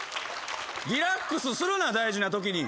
リラックスするな大事なときに。